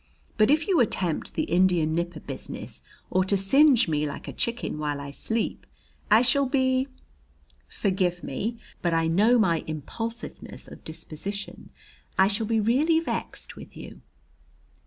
But if you attempt the Indian nipper business, or to singe me like a chicken while I sleep, I shall be forgive me, but I know my impulsiveness of disposition I shall be really vexed with you."